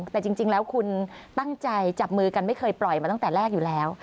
แต่จริงแล้วคุณตั้งใจจับมือกันไม่เคยปล่อยมาตั้งแต่แรกอยู่แล้ว